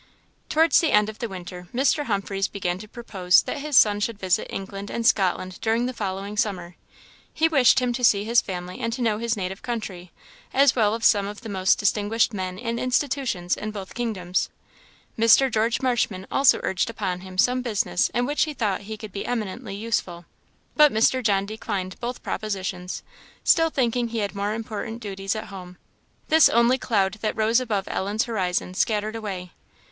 Towards the end of the winter, Mr. Humphreys began to propose that his son should visit England and Scotland during the following summer. He wished him to see his family and to know his native country, as well as some of the most distinguished men and institutions in both kingdoms. Mr. George Marshman also urged upon him some business in which he thought he could be eminently useful. But Mr. John declined both propositions, still thinking he had more important duties at home. This only cloud that rose above Ellen's horizon scattered away.